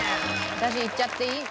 私いっちゃっていい？